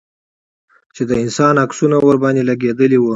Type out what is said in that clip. چې د انسان عکسونه ورباندې لگېدلي وو.